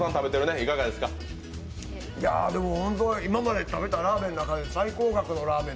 今まで食べたラーメンの中で最高額のラーメン。